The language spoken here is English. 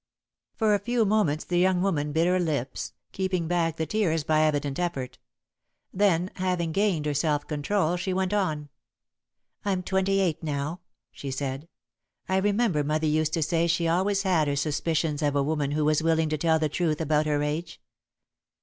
For a few moments the young woman bit her lips, keeping back the tears by evident effort. Then, having gained her self control, she went on. "I'm twenty eight, now," she said. "I remember mother used to say she always had her suspicions of a woman who was willing to tell the truth about her age."